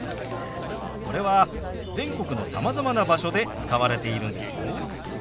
これは全国のさまざまな場所で使われているんですよ。